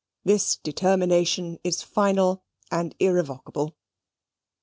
This determination is final and irrevocable.